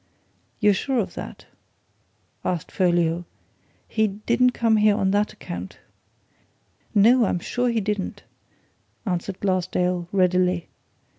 "You're sure of that?" asked Folliot. "He didn't come here on that account?" "No, I'm sure he didn't!" answered Glassdale, readily.